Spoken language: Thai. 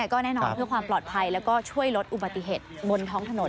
ก็แน่นอนเพื่อความปลอดภัยแล้วก็ช่วยลดอุบัติเหตุบนท้องถนน